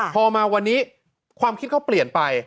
พอมาวันนี้ความคิดเขาเปลี่ยนไป